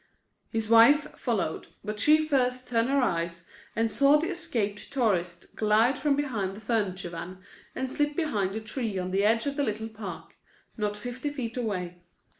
His wife followed, but she first turned her eyes and saw the escaped tourist glide from behind the furniture van and slip behind a tree on the edge of the little park, not fifty feet away.